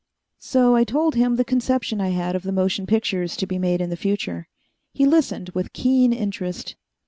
So I told him the conception I had of the motion pictures to be made in the future. He listened with keen interest.